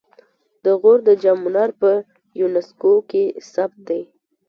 د غور د جام منار په یونسکو کې ثبت دی